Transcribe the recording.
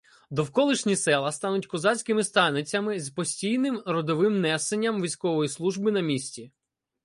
Довколишні села стануть козацькими станицями з постійним родовим несенням військової служби на місці.